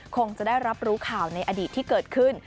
คงจะได้รับรู้ข่าวในอดีตที่เกิดขึ้น